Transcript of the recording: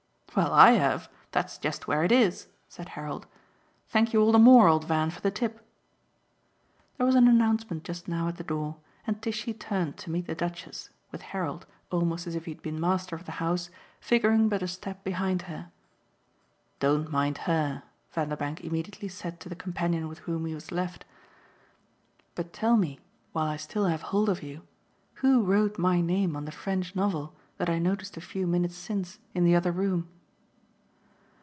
"Well, I have that's just where it is," said Harold. "Thank you all the more, old Van, for the tip." There was an announcement just now at the door, and Tishy turned to meet the Duchess, with Harold, almost as if he had been master of the house, figuring but a step behind her. "Don't mind HER," Vanderbank immediately said to the companion with whom he was left, "but tell me, while I still have hold of you, who wrote my name on the French novel that I noticed a few minutes since in the other room?"